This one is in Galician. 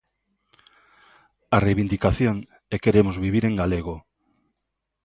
A reivindicación é "queremos vivir en galego".